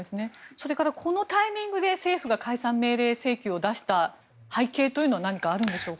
それからこのタイミングで政府が解散命令請求を出した背景というのは何かあるんでしょうか。